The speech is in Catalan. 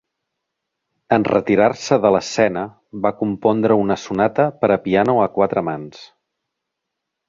En retirar-se de l'escena va compondre una sonata per a piano a quatre mans.